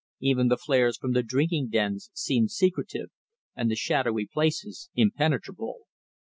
Even the flares from the drinking dens seemed secretive, and the shadowy places impenetrable.